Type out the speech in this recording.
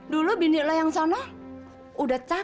dulu bindi lo sama jaya dan dia milih sama dia ya